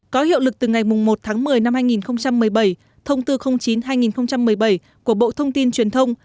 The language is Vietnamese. có hiệu lực từ ngày một tháng một mươi năm hai nghìn một mươi bảy thông tư chín hai nghìn một mươi bảy của bộ thông tin truyền thông